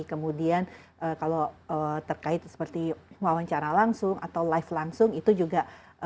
kemudian kalau terkait seperti wawancara langsung atau live langsung itu juga